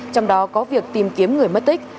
trong đó có việc tìm kiếm người mất tích